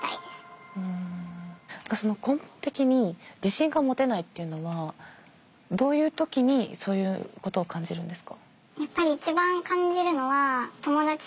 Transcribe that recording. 根本的に自信が持てないっていうのはどういう時にそういうことを感じるんですか？